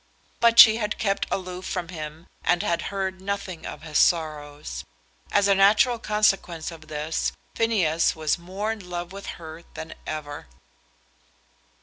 But she had kept aloof from him and had heard nothing of his sorrows. As a natural consequence of this, Phineas was more in love with her than ever.